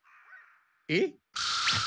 えっ？